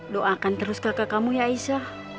doakan terus kakak kamu ya aisyah